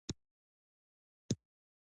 د پښتورګو د مینځلو لپاره باید څه شی وکاروم؟